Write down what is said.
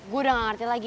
gue udah gak ngerti lagi